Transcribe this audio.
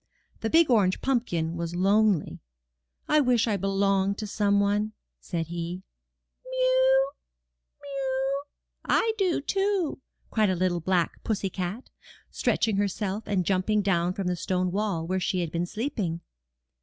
The big orange pumpkin was lonely. *1 wish I belonged to some one,*' said he. '*Miew, miew! I do, too, cried a little black pussy cat, stretching herself and jumping down from the stone wall where she had been sleeping.